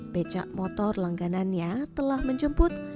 becak motor yang telah menjemput nia